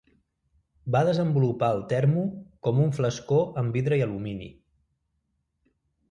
Va desenvolupar el termo com un flascó amb vidre i alumini.